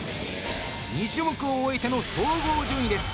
２種目を終えての総合順位です。